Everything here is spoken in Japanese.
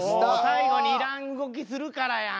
最後にいらん動きするからやん。